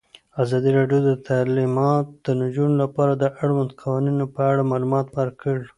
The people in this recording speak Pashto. ازادي راډیو د تعلیمات د نجونو لپاره د اړونده قوانینو په اړه معلومات ورکړي.